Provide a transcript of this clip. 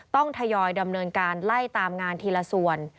ทยอยดำเนินการไล่ตามงานทีละส่วน